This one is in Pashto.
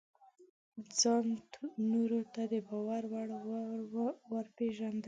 ځان نورو ته د باور وړ ورپېژندل: